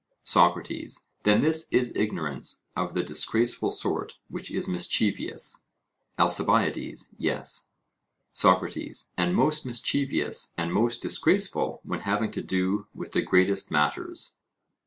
SOCRATES: Then this is ignorance of the disgraceful sort which is mischievous? ALCIBIADES: Yes. SOCRATES: And most mischievous and most disgraceful when having to do with the greatest matters?